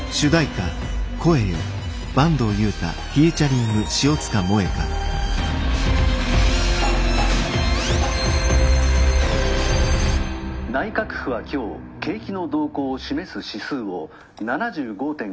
リンカーン「内閣府は今日景気の動向を示す指数を７５．５と発表。